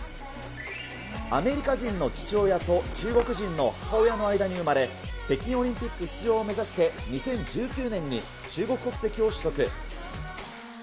アメリカ人の父親と中国人の母親の間に生まれ、北京オリンピック出場を目指して、２０１９年に中国国籍を取得。